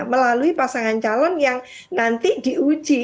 melalui pasangan calon yang nanti diuji